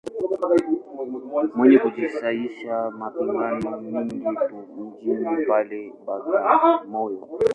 Mwenye kujihusisha ma mipango mingi tu mjini pale, Bagamoyo.